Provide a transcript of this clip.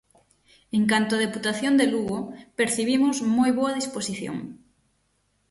En canto á Deputación de Lugo, percibimos moi boa disposición.